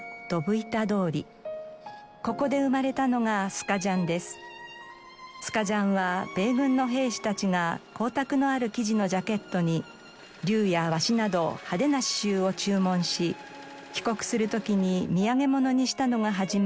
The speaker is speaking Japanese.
スカジャンは米軍の兵士たちが光沢のある生地のジャケットに竜やワシなど派手な刺繍を注文し帰国する時に土産物にしたのが始まりと伝わります。